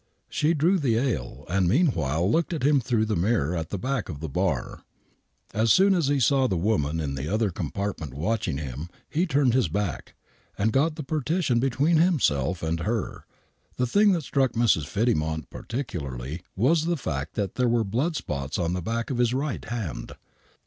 She drew the ale, and meanwhile looked at him through the mirror at the back of the bar. As soon as he saw tlie woman in the other compartment watch ing him he turned his back, and ffot the partition between himself and her. The thing that struck Mrs. Fiddymont particularly was the fact that there were blood spots on the back of his right hand.